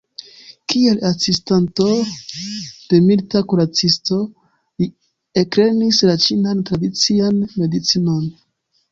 Kiel asistanto de milita kuracisto li eklernis la ĉinan tradician medicinon.